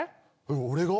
俺が？